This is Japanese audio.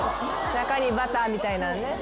中にバターみたいなのね。